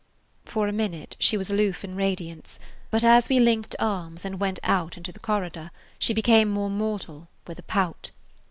For a minute she was aloof in radiance, but as we linked arms and went out into the corridor she became more mortal, with a pout.